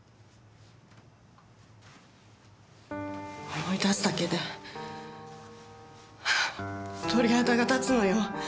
思い出すだけで鳥肌が立つのよ。